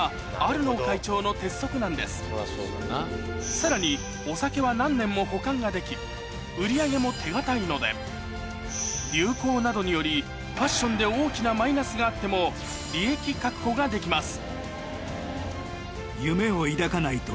さらにお酒は何年も保管ができ売り上げも手堅いので流行などによりファッションで大きなマイナスがあっても利益確保ができます